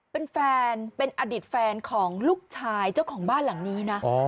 เป็นแฟนเป็นอดีตแฟนของลูกชายเจ้าของบ้านหลังนี้นะ